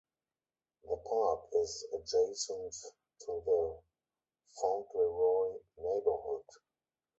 The park is adjacent to the Fauntleroy neighborhood.